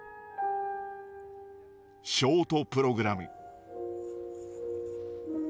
ショートプログラム。